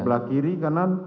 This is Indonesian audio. sebelah kiri kanan